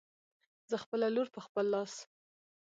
زه خپله لور په خپل لاس